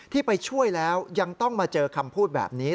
ที่ไปช่วยแล้วยังต้องมาเจอคำพูดแบบนี้